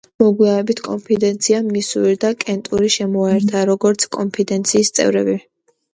მოგვიანებით კონფედერაციამ მისური და კენტუკი შემოიერთა, როგორც კონფედერაციის წევრები.